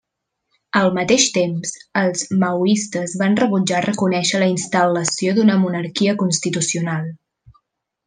Al mateix temps, els maoistes van rebutjar reconèixer la instal·lació d'una monarquia constitucional.